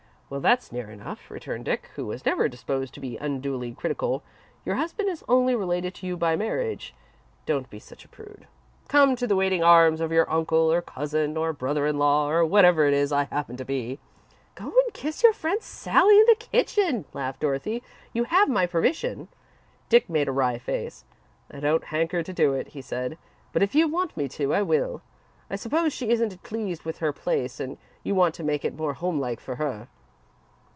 "Well, that's near enough," returned Dick, who was never disposed to be unduly critical. "Your husband is only related to you by marriage. Don't be such a prude. Come to the waiting arms of your uncle, or cousin, or brother in law, or whatever it is that I happen to be." "Go and kiss your friend Sally in the kitchen," laughed Dorothy. "You have my permission." Dick made a wry face. "I don't hanker to do it," he said, "but if you want me to, I will. I suppose she isn't pleased with her place and you want to make it more homelike for her."